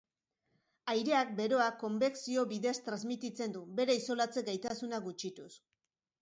Aireak beroa konbekzio bidez transmititzen du, bere isolatze-gaitasuna gutxituz.